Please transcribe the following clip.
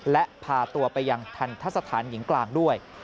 และพาตัวไปยังทันทะสถานหญิงกลางด้วย